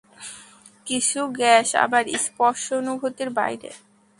কিছু গ্যাস আবার স্পর্শানুভূতির বাইরে।